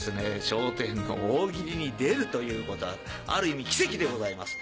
『笑点』の大喜利に出るということはある意味奇跡でございます。